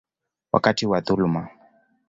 wakati wa dhuluma.